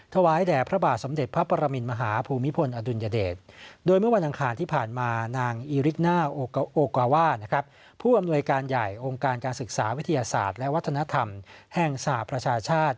ถวายแด่พระบาทสำเด็จพระประมินมหาภูมิพลอดุลยเดช